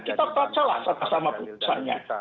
kita bacalah sama sama putusannya